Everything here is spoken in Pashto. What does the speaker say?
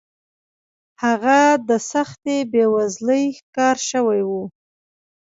هغه د سختې بېوزلۍ ښکار شوی و.